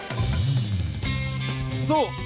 そう！